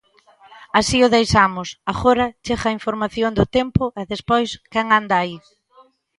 Así o deixamos, agora chega a información do tempo e despois "Quen anda aí".